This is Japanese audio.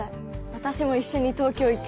私も一緒に東京行く！